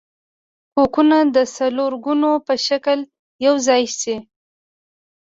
کوکونه د څلورګونو په شکل یوځای شي.